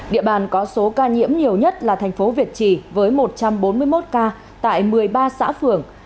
địa bàn có số ca nhiễm nhiều nhất là thành phố việt trì với một trăm bốn mươi một ca tại một mươi ba xã phường